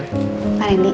saya bawa mbak jalan ya pak